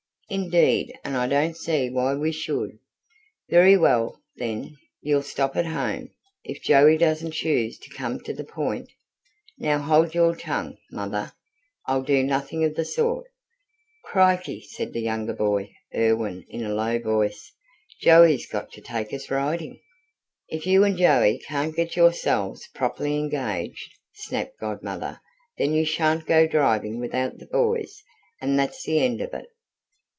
"Indeed and I don't see why we should!" "Very well, then, you'll stop at home. If Joey doesn't choose to come to the point " "Now hold your tongue, mother!" "I'll do nothing of the sort." "Crikey!" said the younger boy, Erwin, in a low voice. "Joey's got to take us riding." "If you and Joey can't get yourselves properly engaged," snapped Godmother, "then you shan't go driving without the boys, and that's the end of it."